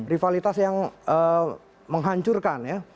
rivalitas yang menghancurkan ya